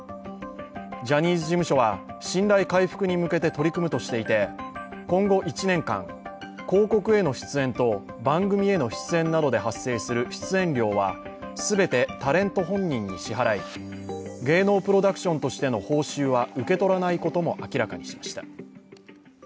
ジャニーズ事務所は信頼回復に向けて取り組むとしていて、今後１年間、広告への出演と番組への出演などで発生する出演料は全てタレント本人に支払い、芸能プロダクションとしての報酬は受け取らないことも明らかにしました。